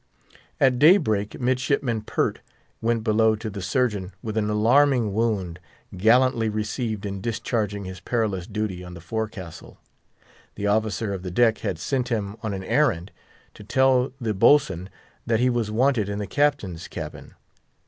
At daybreak Midshipman Pert went below to the surgeon with an alarming wound, gallantly received in discharging his perilous duty on the forecastle. The officer of the deck had sent him on an errand, to tell the boatswain that he was wanted in the captain's cabin.